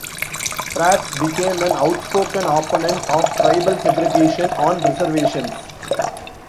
Pratt became an outspoken opponent of tribal segregation on reservations.